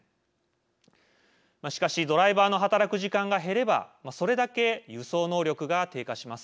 しかしドライバーの働く時間が減ればそれだけ輸送能力が低下します。